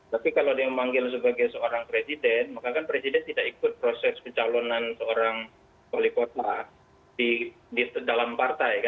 tapi kalau dia memanggil sebagai seorang presiden maka kan presiden tidak ikut proses pencalonan seorang wali kota di dalam partai